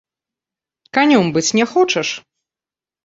Канём быць не хочаш?